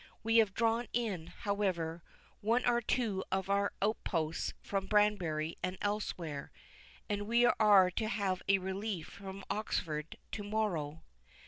We have drawn in, however, one or two of our outposts from Banbury and elsewhere, and we are to have a relief from Oxford to morrow."